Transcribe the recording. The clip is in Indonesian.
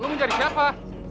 lu mau cari siapa